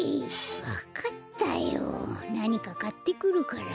わかったよなにかかってくるから。